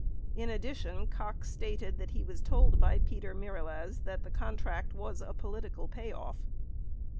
In addition, Cox stated that he was told by Peter Mirelez that that contract was a "political payoff."